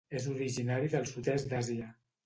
És originari del Sud-est d'Àsia.